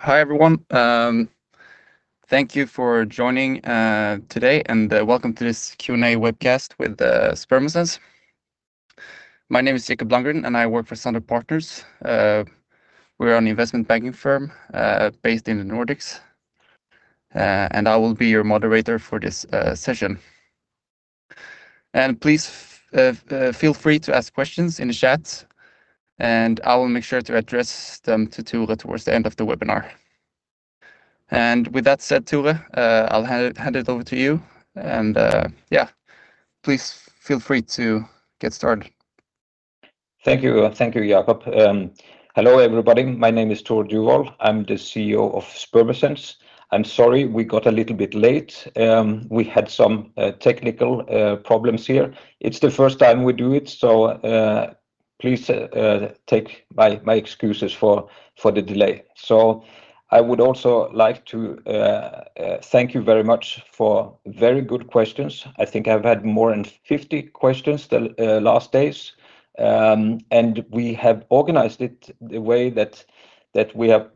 Hi, everyone. Thank you for joining today and welcome to this Q&A webcast with Spermosens. My name is Jacob Lundgren, and I work for Sandal Partners. We are an investment banking firm based in the Nordics, and I will be your moderator for this session. Please feel free to ask questions in the chat, and I will make sure to address them to Tore towards the end of the webinar. With that said, Tore, I'll hand it over to you and yeah, please feel free to get started. Thank you. Thank you, Jacob. Hello, everybody. My name is Tore Duvold. I'm the CEO of Spermosens. I'm sorry we got a little bit late. We had some technical problems here. It's the first time we do it, so please take my excuses for the delay. I would also like to thank you very much for very good questions. I think I've had more than 50 questions the last days. We have organized it the way that we have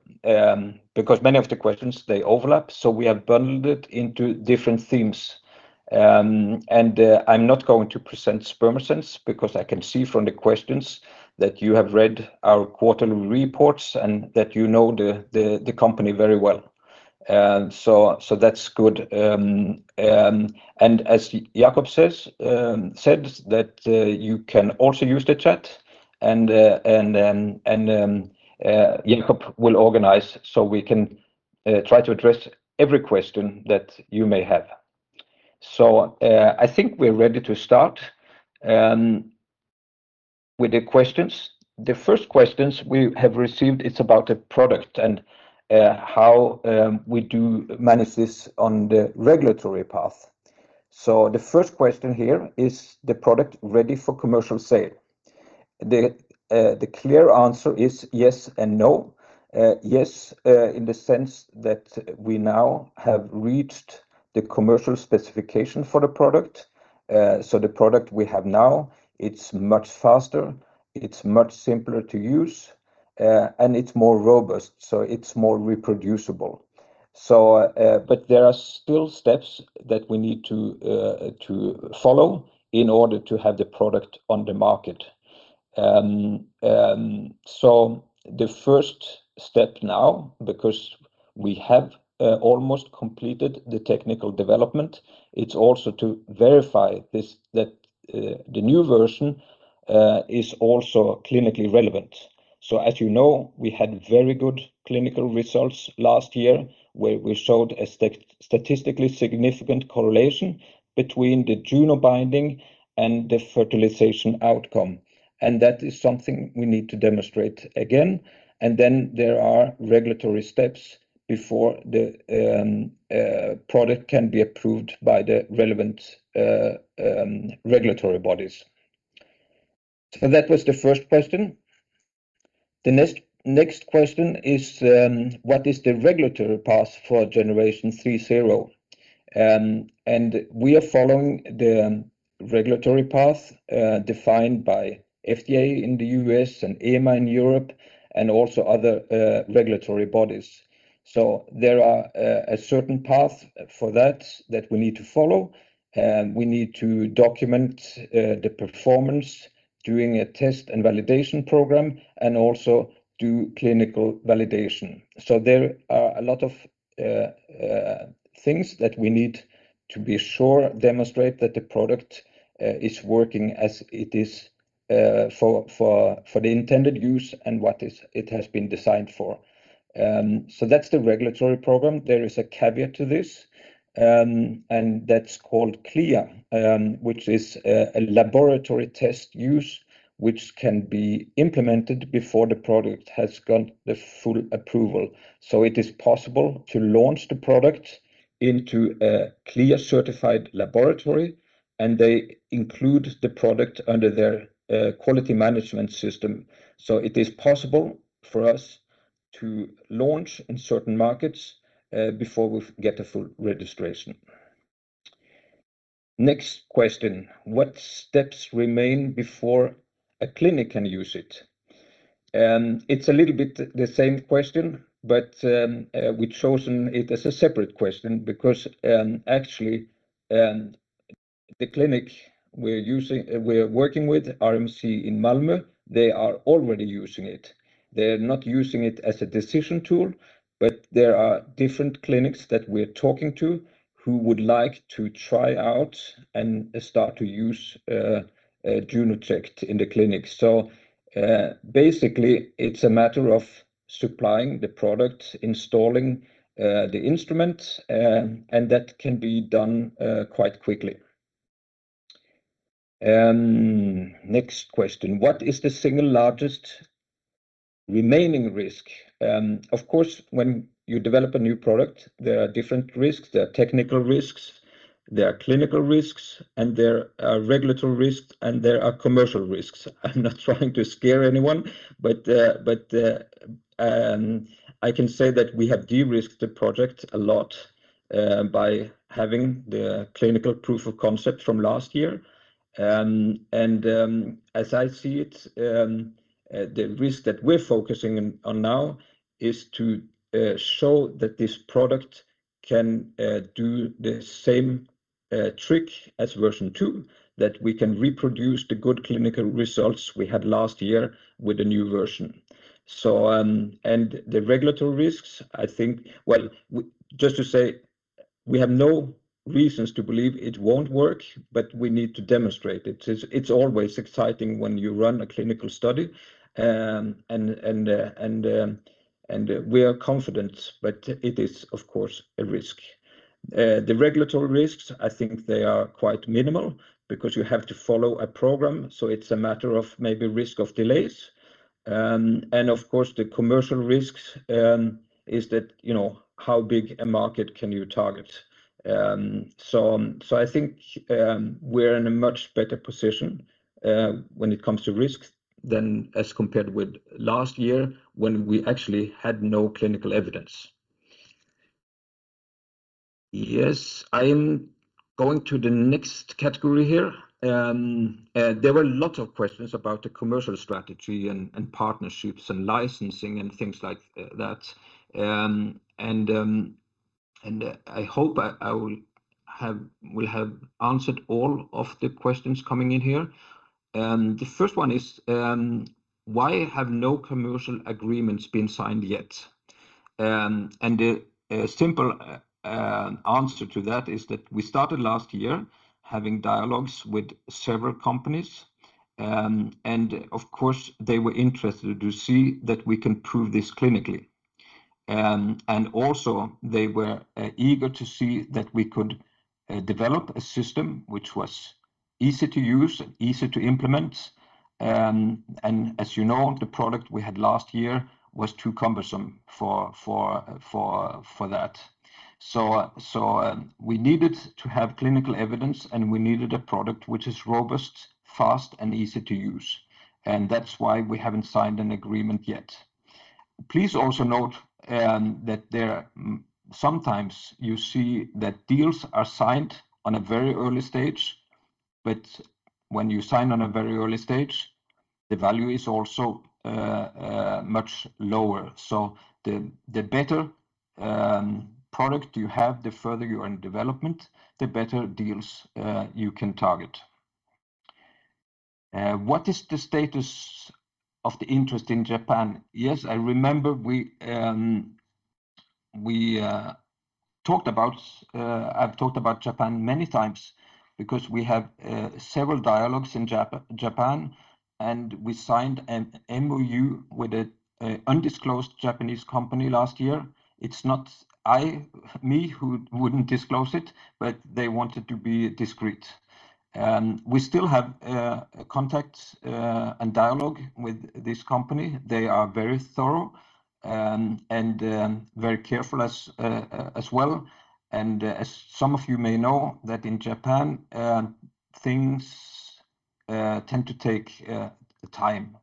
because many of the questions, they overlap, so we have bundled it into different themes. I'm not going to present Spermosens because I can see from the questions that you have read our quarterly reports and that you know the company very well. That's good. As Jacob said that you can also use the chat and Jacob will organize so we can try to address every question that you may have. I think we're ready to start with the questions. The first questions we have received. It's about the product and how we do manage this on the regulatory path. The first question here is the product ready for commercial sale? The clear answer is yes and no. Yes, in the sense that we now have reached the commercial specification for the product. The product we have now, it's much faster, it's much simpler to use, and it's more robust, so it's more reproducible. There are still steps that we need to follow in order to have the product on the market. The first step now, because we have almost completed the technical development, it's also to verify this, that the new version is also clinically relevant. As you know, we had very good clinical results last year where we showed a statistically significant correlation between the JUNO binding and the fertilization outcome. That is something we need to demonstrate again. Then there are regulatory steps before the product can be approved by the relevant regulatory bodies. That was the first question. The next question is, what is the regulatory path for Generation 3.0? We are following the regulatory path defined by FDA in the U.S. and EMA in Europe and also other regulatory bodies. There is a certain path for that that we need to follow, and we need to document the performance doing a test and validation program and also do clinical validation. There are a lot of things that we need to be sure to demonstrate that the product is working as it is for the intended use and what it has been designed for. That's the regulatory program. There is a caveat to this, and that's called CLIA, which is a laboratory test use which can be implemented before the product has got the full approval. It is possible to launch the product into a CLIA-certified laboratory, and they include the product under their quality management system. It is possible for us to launch in certain markets before we get a full registration. Next question, what steps remain before a clinic can use it? It's a little bit the same question, but we've chosen it as a separate question because actually the clinic we're using, we're working with, RMC in Malmö, they are already using it. They're not using it as a decision tool, but there are different clinics that we're talking to who would like to try out and start to use JUNO-Checked in the clinic. Basically it's a matter of supplying the product, installing the instrument, and that can be done quite quickly. Next question. What is the single largest remaining risk? Of course, when you develop a new product, there are different risks. There are technical risks, there are clinical risks, and there are regulatory risks, and there are commercial risks. I'm not trying to scare anyone, but I can say that we have de-risked the project a lot by having the clinical proof of concept from last year. As I see it, the risk that we're focusing on now is to show that this product can do the same trick as version two, that we can reproduce the good clinical results we had last year with the new version. The regulatory risks, I think, just to say we have no reasons to believe it won't work, but we need to demonstrate it. It's always exciting when you run a clinical study. We are confident, but it is of course a risk. The regulatory risks, I think they are quite minimal because you have to follow a program. It's a matter of maybe risk of delays. Of course the commercial risks is that, you know, how big a market can you target. I think we're in a much better position when it comes to risks than as compared with last year when we actually had no clinical evidence. Yes. I am going to the next category here. There were lots of questions about the commercial strategy and partnerships and licensing and things like that. I hope I will have answered all of the questions coming in here. The first one is, why have no commercial agreements been signed yet? The simple answer to that is that we started last year having dialogues with several companies. Of course they were interested to see that we can prove this clinically. Also they were eager to see that we could develop a system which was easy to use and easy to implement. As you know, the product we had last year was too cumbersome for that. We needed to have clinical evidence, and we needed a product which is robust, fast, and easy to use, and that's why we haven't signed an agreement yet. Please also note that there sometimes you see that deals are signed on a very early stage, but when you sign on a very early stage, the value is also much lower. The better product you have, the further you are in development, the better deals you can target. What is the status of the interest in Japan? Yes, I remember I've talked about Japan many times because we have several dialogues in Japan, and we signed an MOU with an undisclosed Japanese company last year. It's not me who wouldn't disclose it, but they wanted to be discreet. We still have contacts and dialogue with this company. They are very thorough and very careful as well. As some of you may know that in Japan, things tend to take time.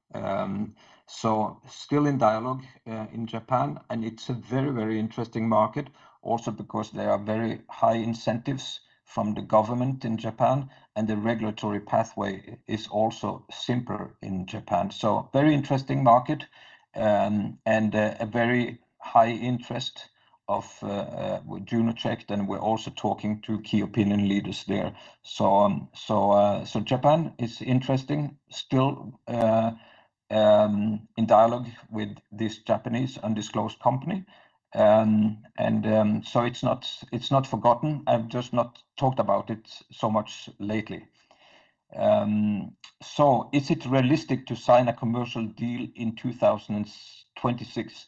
Still in dialogue in Japan, and it's a very interesting market also because there are very high incentives from the government in Japan, and the regulatory pathway is also simpler in Japan. Very interesting market, and a very high interest with JUNO-Checked then we're also talking to key opinion leaders there. Japan is interesting, still in dialogue with this Japanese undisclosed company. It's not forgotten. I've just not talked about it so much lately. Is it realistic to sign a commercial deal in 2026?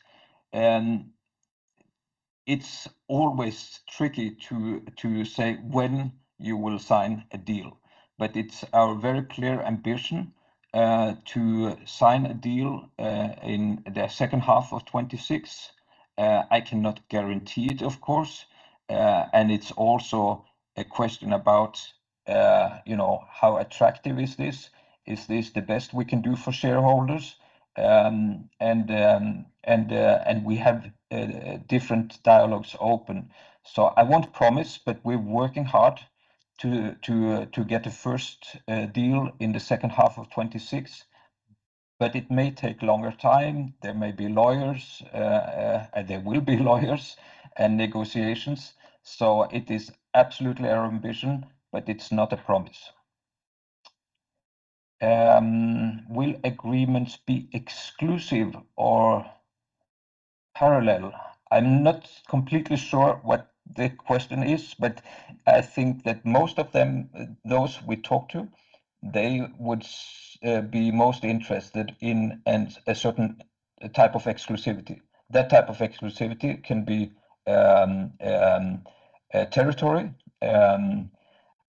It's always tricky to say when you will sign a deal, but it's our very clear ambition to sign a deal in the second half of 2026. I cannot guarantee it, of course. It's also a question about, you know, how attractive is this? Is this the best we can do for shareholders? We have different dialogues open. I won't promise, but we are working hard to get a first deal in the second half of 2026. It may take longer time. There will be lawyers and negotiations. It is absolutely our ambition, but it's not a promise. Will agreements be exclusive or parallel? I'm not completely sure what the question is, but I think that most of them, those we talk to, they would be most interested in a certain type of exclusivity. That type of exclusivity can be a territory.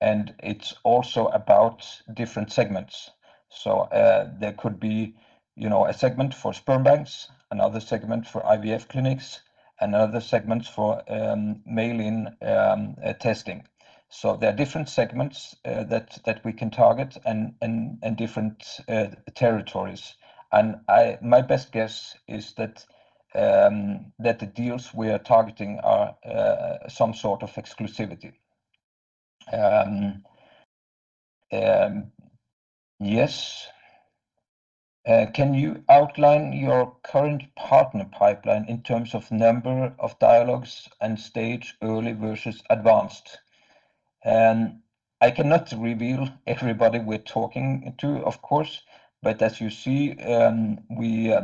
And it's also about different segments. There could be, you know, a segment for sperm banks, another segment for IVF clinics, another segment for mail-in testing. There are different segments that we can target and different territories. My best guess is that the deals we are targeting are some sort of exclusivity. Yes. Can you outline your current partner pipeline in terms of number of dialogues and stage early versus advanced? I cannot reveal everybody we're talking to, of course, but as you see, we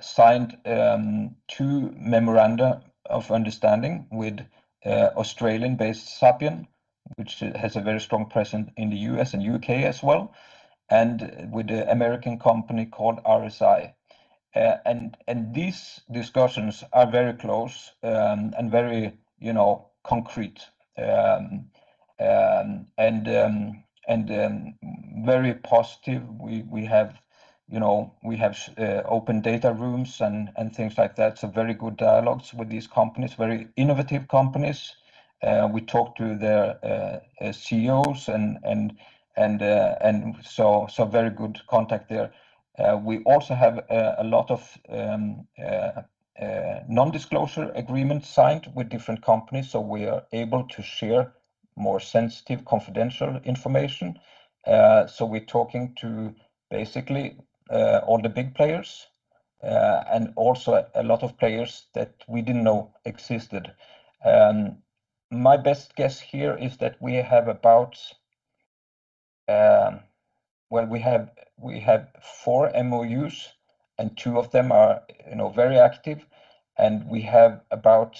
signed two memoranda of understanding with Australian-based Sapyen, which has a very strong presence in the U.S. and U.K. as well, and with the American company called RSI. These discussions are very close and very, you know, concrete and very positive. We have, you know, open data rooms and things like that, so very good dialogues with these companies, very innovative companies. We talk to their CEOs and so very good contact there. We also have a lot of non-disclosure agreements signed with different companies, so we are able to share more sensitive, confidential information. We're talking to basically all the big players and also a lot of players that we didn't know existed. My best guess here is that we have about, well, we have four MOUs, and two of them are, you know, very active, and we have about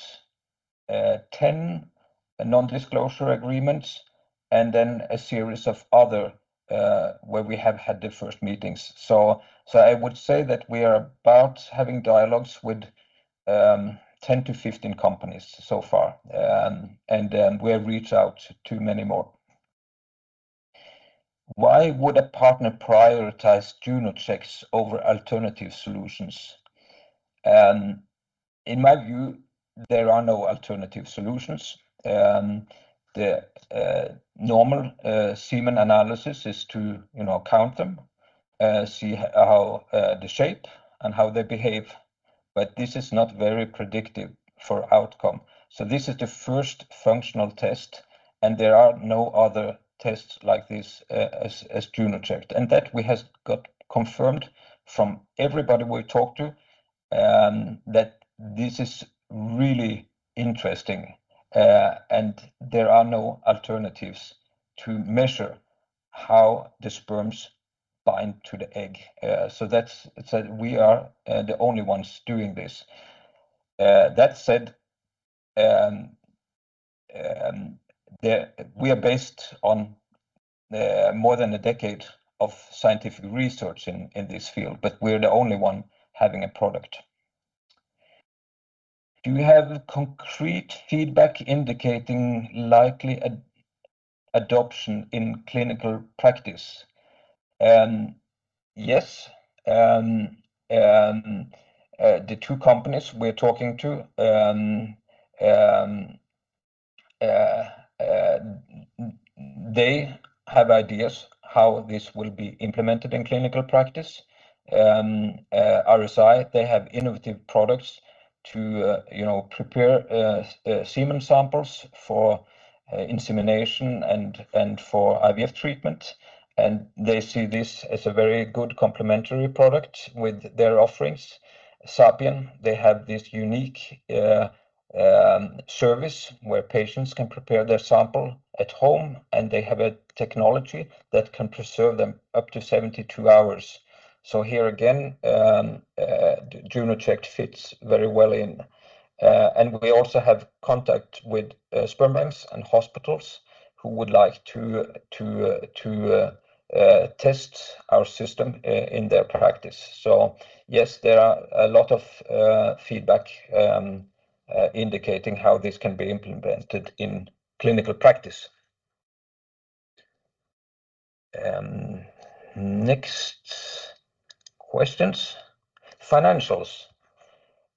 10 non-disclosure agreements and then a series of other, where we have had the first meetings. I would say that we are about having dialogues with 10-15 companies so far, and then we have reached out to many more. Why would a partner prioritize JUNO-Checked over alternative solutions? In my view, there are no alternative solutions. The normal semen analysis is to, you know, count them, see how the shape and how they behave, but this is not very predictive for outcome. This is the first functional test, and there are no other tests like this, JUNO-Checked, that we have got confirmed from everybody we talk to, that this is really interesting, and there are no alternatives to measure how the sperms bind to the egg. We are the only ones doing this. That said, we are based on more than a decade of scientific research in this field, but we're the only one having a product. Do you have concrete feedback indicating likely adoption in clinical practice? Yes. The two companies we're talking to, they have ideas how this will be implemented in clinical practice. RSI, they have innovative products to, you know, prepare semen samples for insemination and for IVF treatment, and they see this as a very good complementary product with their offerings. Sapyen, they have this unique service where patients can prepare their sample at home, and they have a technology that can preserve them up to 72 hours. Here again, JUNO-Checked fits very well in. We also have contact with sperm banks and hospitals who would like to test our system in their practice. Yes, there are a lot of feedback indicating how this can be implemented in clinical practice. Next questions. Financials.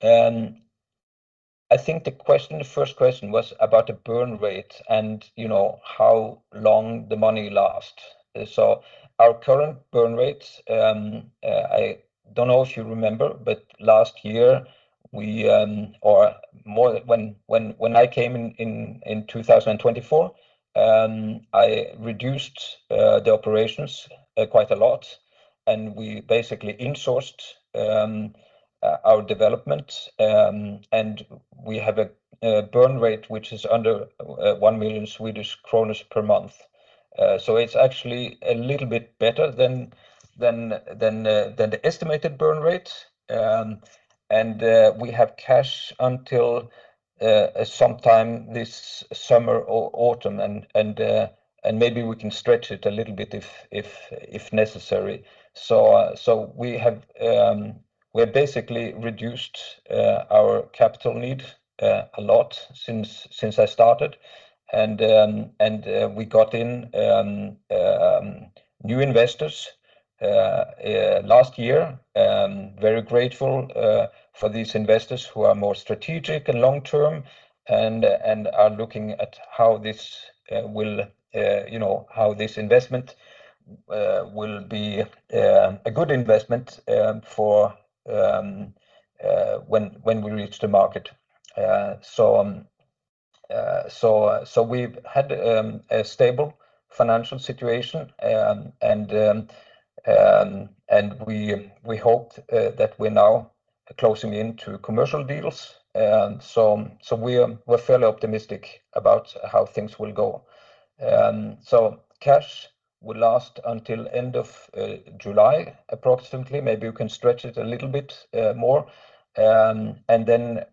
I think the first question was about the burn rate and, you know, how long the money last. Our current burn rates, I don't know if you remember, but last year, or more when I came in in 2024, I reduced the operations quite a lot, and we basically insourced our development. We have a burn rate which is under 1 million Swedish kronor per month. It's actually a little bit better than the estimated burn rate. We have cash until sometime this summer or autumn and maybe we can stretch it a little bit if necessary. We have basically reduced our capital need a lot since I started and we got in new investors last year. Very grateful for these investors who are more strategic and long-term and are looking at how this will, you know, how this investment will be a good investment for when we reach the market. We've had a stable financial situation and we hope that we're now closing in on commercial deals. We're fairly optimistic about how things will go. Cash will last until end of July approximately. Maybe we can stretch it a little bit more. Remember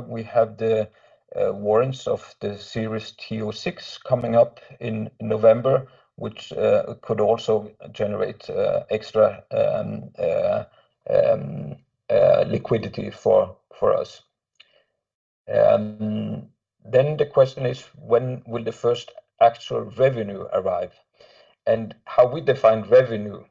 we have the warrants of the series TO6 coming up in November, which could also generate extra liquidity for us. The question is when will the first actual revenue arrive? How we define revenue,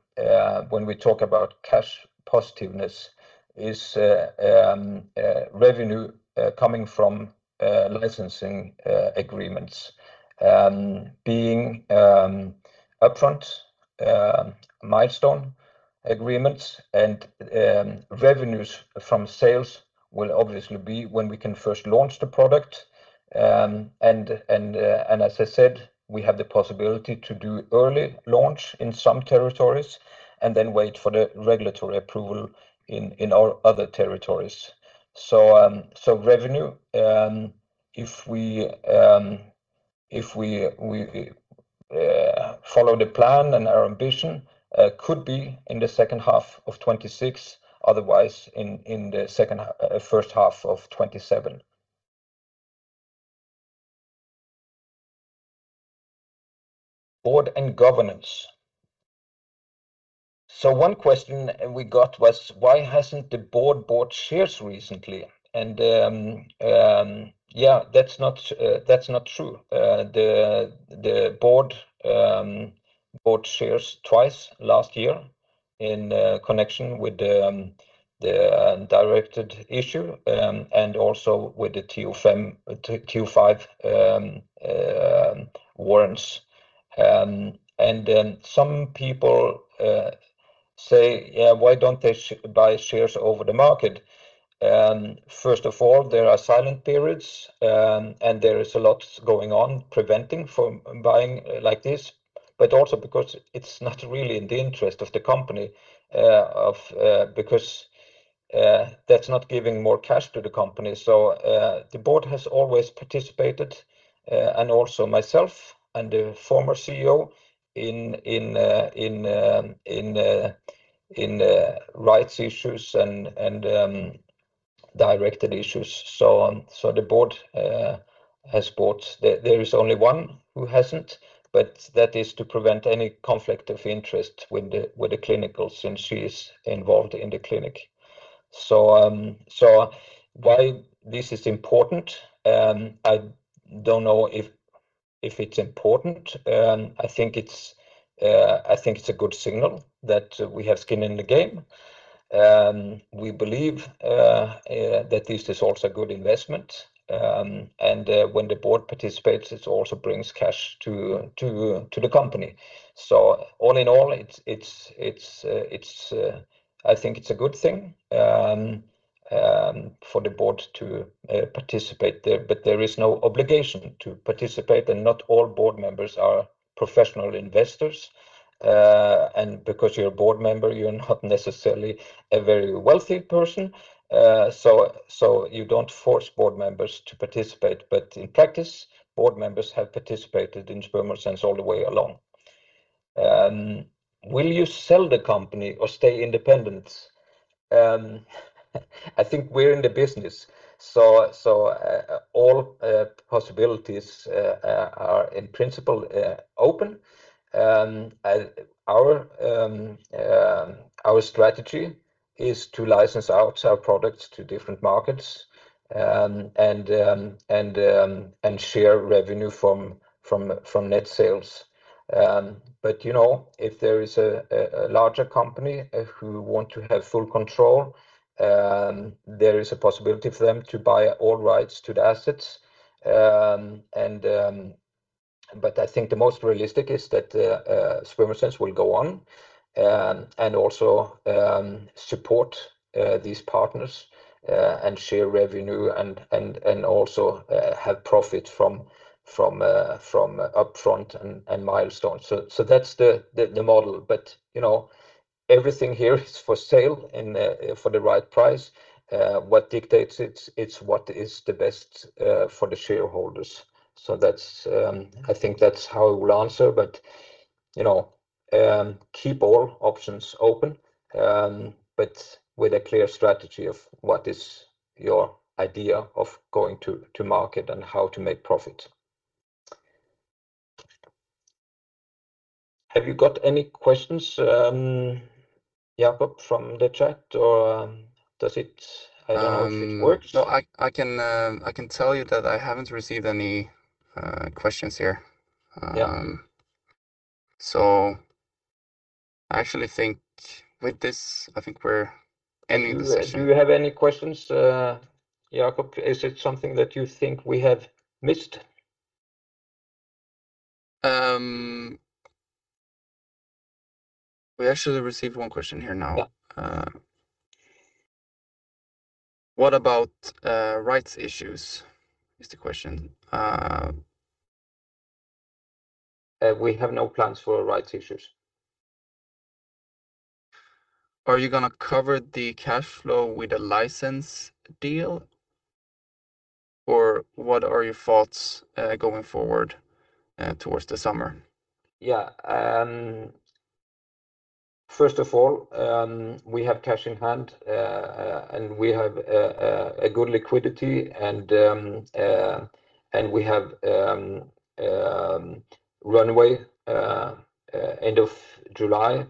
when we talk about cash positiveness is, revenue coming from, licensing agreements, being upfront, milestone agreements, and, revenues from sales will obviously be when we can first launch the product. As I said, we have the possibility to do early launch in some territories and then wait for the regulatory approval in our other territories. Revenue, if we follow the plan and our ambition, could be in the second half of 2026, otherwise in the first half of 2027. Board and governance. One question we got was why hasn't the board bought shares recently? Yeah, that's not true. The board bought shares twice last year in connection with the directed issue and also with the TO5 warrants. Some people say, "Yeah, why don't they buy shares over the market?" First of all, there are silent periods and there is a lot going on preventing from buying like this, but also because it's not really in the interest of the company because that's not giving more cash to the company. The board has always participated and also myself and the former CEO in rights issues and directed issues, so on. The board has bought... There is only one who hasn't, but that is to prevent any conflict of interest with the clinic since she is involved in the clinic. Why this is important, I don't know if it's important. I think it's a good signal that we have skin in the game. We believe that this is also good investment. When the board participates, it also brings cash to the company. All in all, it's a good thing for the board to participate there, but there is no obligation to participate, and not all board members are professional investors. Because you're a board member, you're not necessarily a very wealthy person. You don't force board members to participate. In practice, board members have participated in Spermosens all the way along. Will you sell the company or stay independent? I think we're in the business, so all possibilities are in principle open. Our strategy is to license out our products to different markets and share revenue from net sales. You know, if there is a larger company who want to have full control, there is a possibility for them to buy all rights to the assets. I think the most realistic is that Spermosens will go on and also support these partners and share revenue and also have profit from upfront and milestones. That's the model. You know, everything here is for sale and for the right price. What dictates it is what is the best for the shareholders. I think that's how I will answer. You know, keep all options open, but with a clear strategy of what is your idea of going to market and how to make profit. Have you got any questions, Jacob, from the chat, or does it work? I don't know if it works. No, I can tell you that I haven't received any questions here. Yeah. I actually think with this, I think we're ending the session. Do you have any questions, Jacob? Is it something that you think we have missed? We actually received one question here now. Yeah. What about rights issues is the question? We have no plans for rights issues. Are you gonna cover the cash flow with a license deal, or what are your thoughts, going forward, towards the summer? Yeah. First of all, we have cash in hand, and we have a good liquidity and we have runway end of July.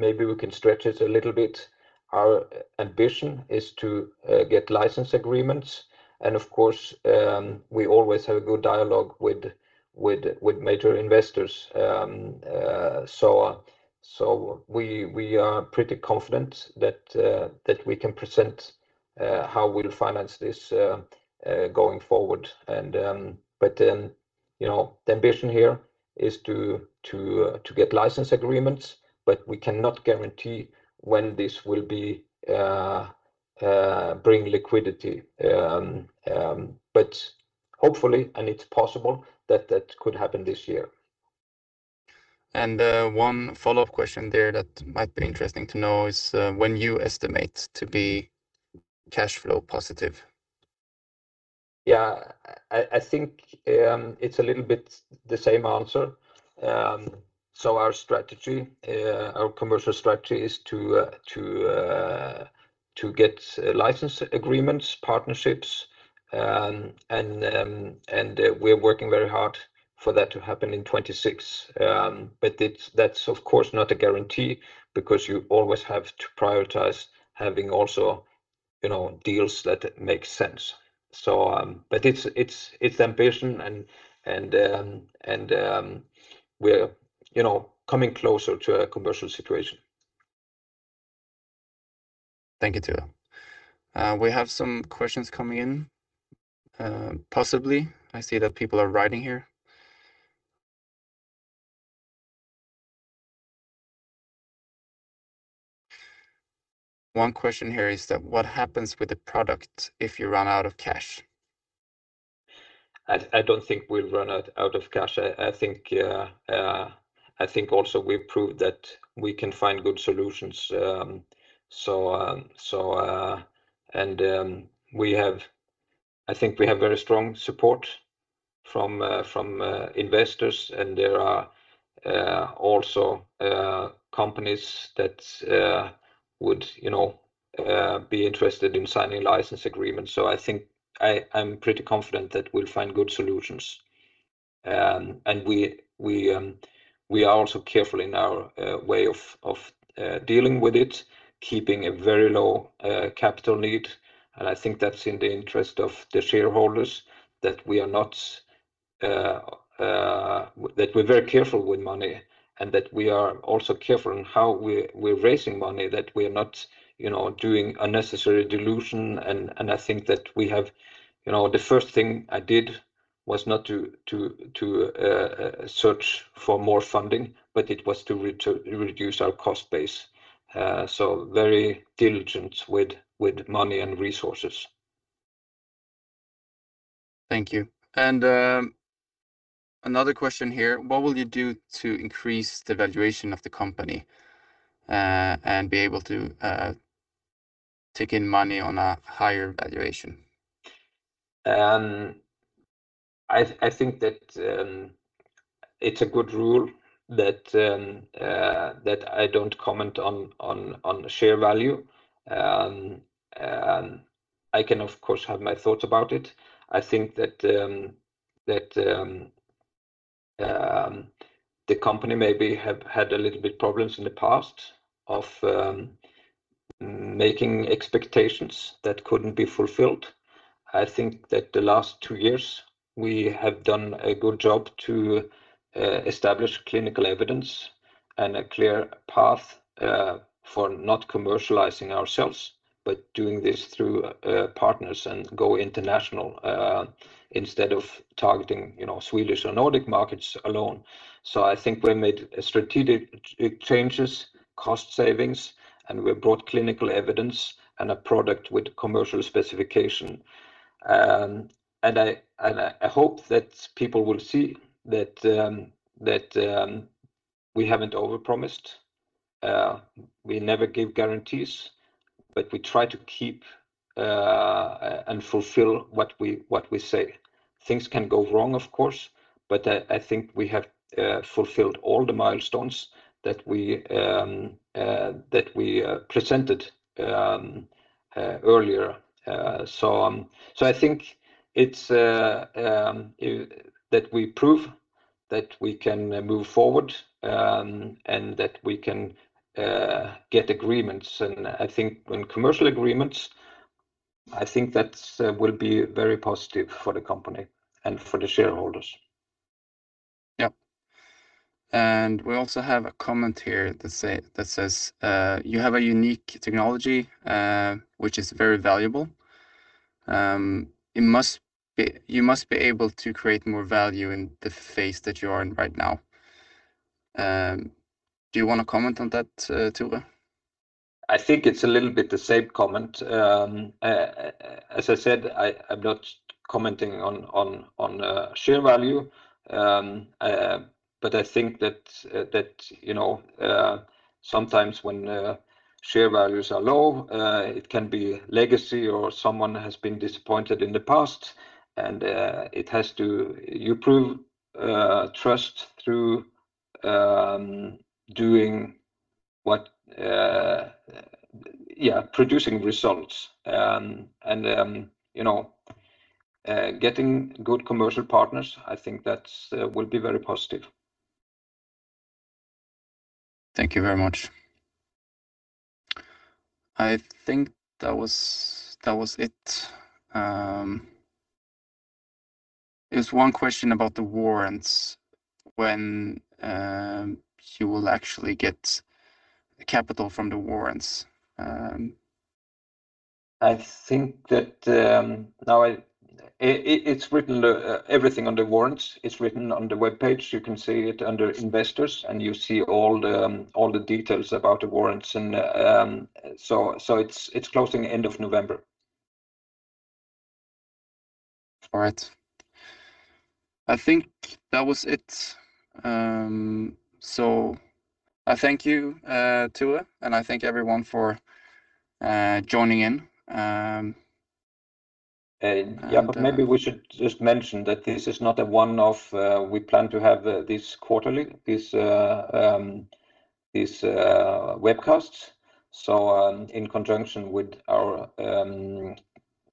Maybe we can stretch it a little bit. Our ambition is to get license agreements and of course, we always have a good dialogue with major investors, so we are pretty confident that we can present how we'll finance this going forward. You know, the ambition here is to get license agreements, but we cannot guarantee when this will bring liquidity. But hopefully, and it's possible that could happen this year. One follow-up question there that might be interesting to know is, when you estimate to be cash flow positive? Yeah. I think it's a little bit the same answer. Our strategy, our commercial strategy is to get license agreements, partnerships, and we're working very hard for that to happen in 2026. That's of course not a guarantee because you always have to prioritize having also, you know, deals that make sense. It's the ambition and we're, you know, coming closer to a commercial situation. Thank you. We have some questions coming in, possibly. I see that people are writing here. One question here is that what happens with the product if you run out of cash? I don't think we'll run out of cash. I think also we've proved that we can find good solutions, and we have very strong support from investors, and there are also companies that would, you know, be interested in signing license agreements. I think I'm pretty confident that we'll find good solutions. And we are also careful in our way of dealing with it, keeping a very low capital need, and I think that's in the interest of the shareholders that we're very careful with money and that we are also careful in how we're raising money that we are not, you know, doing unnecessary dilution. I think that we have, you know, the first thing I did was not to search for more funding, but it was to reduce our cost base. Very diligent with money and resources. Thank you. Another question here, what will you do to increase the valuation of the company, and be able to take in money on a higher valuation? I think that it's a good rule that I don't comment on share value. I can of course have my thoughts about it. I think that the company maybe have had a little bit problems in the past of making expectations that couldn't be fulfilled. I think that the last two years we have done a good job to establish clinical evidence and a clear path for not commercializing ourselves, but doing this through partners and go international instead of targeting, you know, Swedish or Nordic markets alone. I think we made strategic changes, cost savings, and we brought clinical evidence and a product with commercial specification. I hope that people will see that we haven't overpromised. We never give guarantees, but we try to keep and fulfill what we say. Things can go wrong, of course, but I think we have fulfilled all the milestones that we presented earlier. I think it's that we prove that we can move forward and that we can get agreements. I think that will be very positive for the company and for the shareholders. Yeah. We also have a comment here that says you have a unique technology, which is very valuable. You must be able to create more value in the phase that you are in right now. Do you wanna comment on that, Tore Duvold? I think it's a little bit the same comment. As I said, I'm not commenting on share value. I think that you know sometimes when share values are low it can be legacy or someone has been disappointed in the past and it has to prove trust through producing results. You know getting good commercial partners I think that will be very positive. Thank you very much. I think that was it. There's one question about the warrants. When you will actually get capital from the warrants? I think that now it's written everything on the warrants is written on the webpage. You can see it under Investors, and you see all the details about the warrants and so it's closing end of November. All right. I think that was it. I thank you, Tore, and I thank everyone for joining in. Maybe we should just mention that this is not a one-off. We plan to have this quarterly webcasts, so in conjunction with our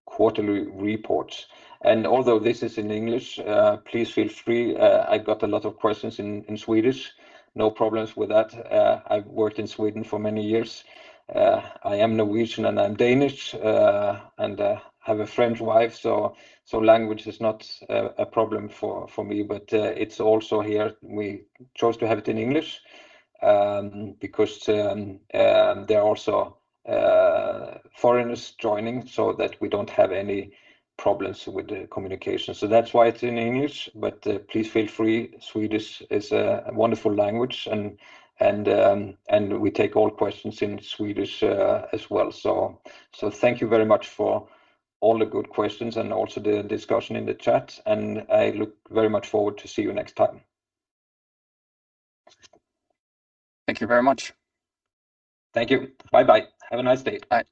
quarterly report. Although this is in English, please feel free. I got a lot of questions in Swedish. No problems with that. I've worked in Sweden for many years. I am Norwegian, and I'm Danish, and have a French wife, so language is not a problem for me. It's also here we chose to have it in English, because there are also foreigners joining, so that we don't have any problems with the communication. That's why it's in English. Please feel free. Swedish is a wonderful language, and we take all questions in Swedish, as well. Thank you very much for all the good questions and also the discussion in the chat, and I look very much forward to see you next time. Thank you very much. Thank you. Bye bye. Have a nice day. Bye.